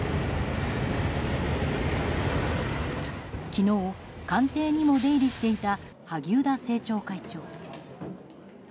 昨日、官邸にも出入りしていた萩生田政調会長。